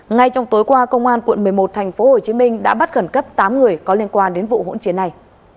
ngay trong tối qua công an quận một mươi một tp hcm đã bắt gần cấp tám người có liên quan đến vụ hỗn chiến này